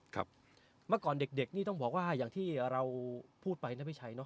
เมื่อก่อนเด็กนี่ต้องบอกว่าอย่างที่เราพูดไปนะพี่ชัยเนอ